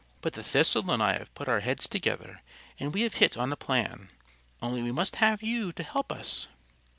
But the Thistle and I have put our heads together, and we have hit on a plan. Only we must have you to help us."